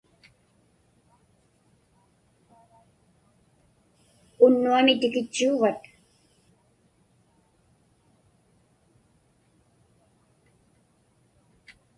Unnuami tikitchuuvat?